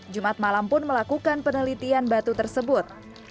jumat malam pun melakukan penelitian batu tersebut